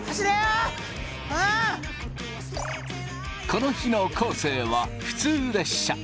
この日の昴生は普通列車。